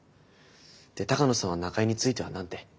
で鷹野さんは中江については何て？